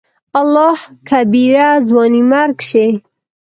الله کبيره !ځواني مرګ شې.